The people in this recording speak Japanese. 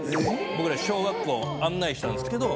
僕ら小学校案内したんですけど。